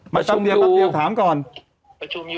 ประชุมอยู่